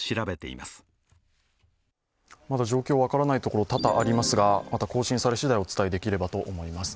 まだ状況分からないところ、多々ありますが更新されしだいお伝えできればと思います。